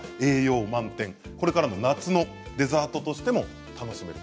これからの夏のデザートとしても楽しめる。